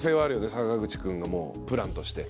坂口君がもうプランとして。